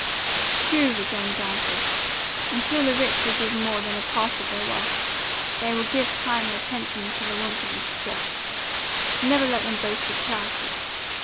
"True," rejoined Darnford, "and, till the rich will give more than a part of their wealth, till they will give time and attention to the wants of the distressed, never let them boast of charity.